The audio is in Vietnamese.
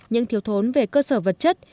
những thiếu thốn về cơ sở vật chất